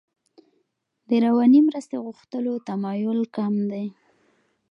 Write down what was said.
د رواني مرستې غوښتلو تمایل کم دی.